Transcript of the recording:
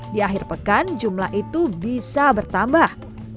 di akhir pekan jumlah itu bisa bertambah